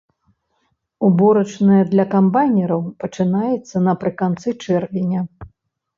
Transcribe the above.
Уборачная для камбайнераў пачынаецца напрыканцы чэрвеня.